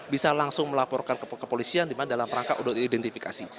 bisa langsung melaporkan ke kepolisian di mana dalam rangka untuk identifikasi